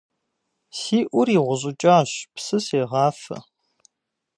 Си Ӏур игъущӀыкӀащ, псы сегъафэ.